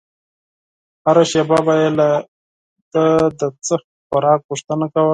هره شېبه به يې له ده د څه خوراک غوښتنه کوله.